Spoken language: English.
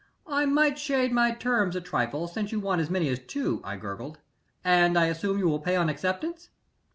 "I might shade my terms a trifle since you want as many as two," I gurgled. "And I assume you will pay on acceptance?"